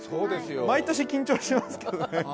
毎年緊張しますけどね。